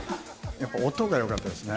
やっぱ音がよかったですね。